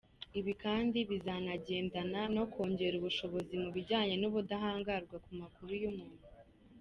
Ibi kandi bizanagendana no kongera ubushobozi mu bijyanye n’ubudahangarwa ku makuru y’umuntu.